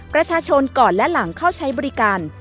ประชาชนก่อนและหลังเข้าใช้บริการ